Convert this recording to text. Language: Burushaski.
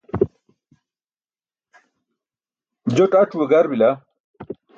joṭ ac̣ue gar bila